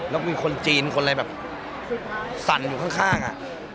แล้วมีคนจีนคนอะไรแบบสั่นอยู่ข้าง